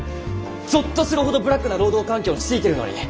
ぞっとするほどブラックな労働環境を強いてるのに。